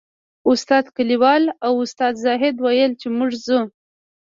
استاد کلیوال او استاد زاهد ویل چې موږ ځو.